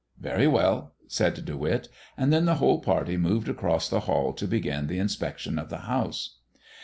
"Very well," said De Witt. And then the whole party moved across the hall to begin the inspection of the house.